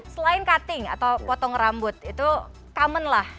selain cutting atau potong rambut itu common lah